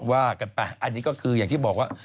ว่ากันไปอันนี้ก็คืออย่างที่บอกว่า